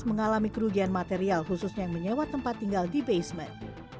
mengalami kerugian material khususnya yang menyewa tempat tinggal di basement